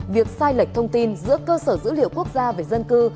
việc sai lệch thông tin giữa cơ sở dữ liệu quốc gia về dân cư